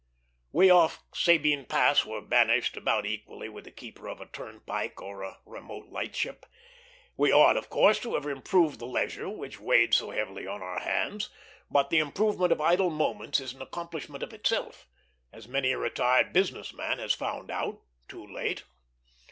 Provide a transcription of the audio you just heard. We off Sabine Pass were banished about equally with the keeper of a turnpike or of a remote lightship. We ought, of course, to have improved the leisure which weighed so heavily on our hands; but the improvement of idle moments is an accomplishment of itself, as many a retired business man has found out too late.